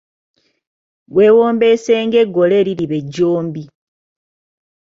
Weewombeese ng'eggole eririba ejjombi.